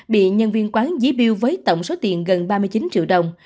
bị nhân viên quán dí biêu với tổng số tiền gần ba mươi chín triệu đồng